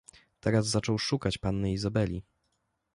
"Teraz zaczął szukać panny Izabeli."